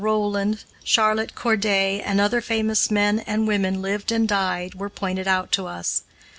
Roland, Charlotte Corday, and other famous men and women lived and died, were pointed out to us.